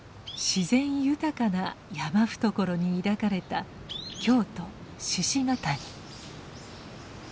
自然豊かな山懐に抱かれた京都鹿ケ谷。